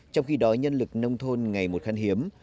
trong khi đó nhân lực nông thôn ngày một khăn hiếm